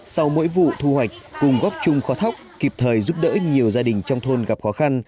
sau mỗi vụ thu hoạch cùng góp chung khó thóc kịp thời giúp đỡ nhiều gia đình trong thôn gặp khó khăn